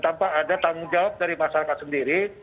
tanpa ada tanggung jawab dari masyarakat sendiri